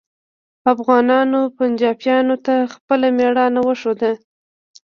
افغانانو پنجابیانو ته خپله میړانه وښوده